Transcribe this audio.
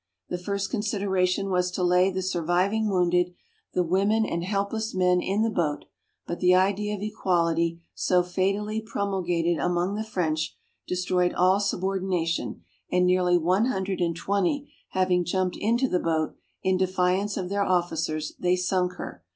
The first consideration was to lay the surviving wounded, the women and helpless men in the boat, but the idea of equality, so fatally promulgated among the French, destroyed all subordination, and nearly one hundred and twenty having jumped into the boat, in defiance of their officers, they sunk her.